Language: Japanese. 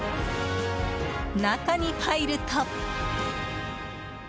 中に入ると。